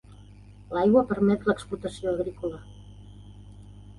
L'aigua permet l'explotació agrícola.